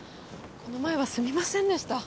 この前はすみませんでした。